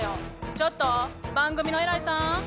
ちょっと番組の偉いさん！